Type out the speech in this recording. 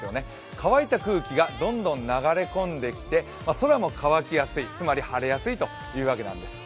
乾いた空気がどんどん流れ込んできて空も乾きやすい、つまり晴れやすいということです。